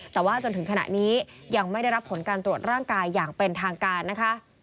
แต่ว่าจนถึงขณะนี้ยังไม่ได้รับผลการตรวจร่างกายอย่างเป็นทางการนะคะ